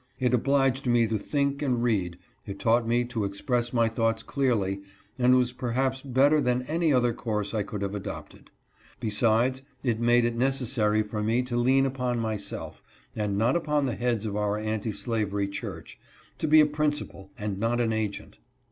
It obliged me to think and read, it taught me to express my IRREPAEABLE LOSS BY FIRE. 32T thoughts clearly, and was perhaps better than any other course I could have adopted. Besides, it made it neces sary for me to lean upon myself, and not upon the heads of our Anti Slavery church, to be a principal, and not an agent.